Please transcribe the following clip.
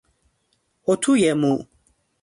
اتوی مو